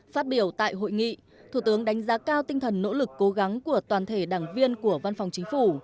phát biểu tại hội nghị thủ tướng đánh giá cao tinh thần nỗ lực cố gắng của toàn thể đảng viên của văn phòng chính phủ